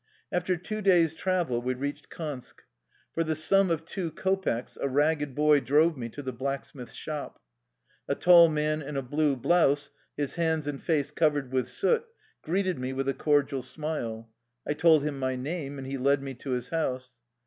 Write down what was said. After two days' travel we reached Kansk. For the sum of two kopecks a ragged boy drove me to the blacksmith's shop. A tall man in a blue blouse, his hands and face covered with soot, greeted me with a cordial smile. I told him my name, and he led me to his house.